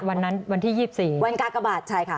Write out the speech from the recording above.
วันนั้นวันที่๒๔วันกากบัตรใช่ค่ะ